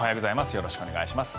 よろしくお願いします。